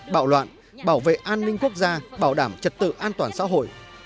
bạo loạn bảo vệ an ninh quốc gia bảo đảm trật tự an toàn xã hội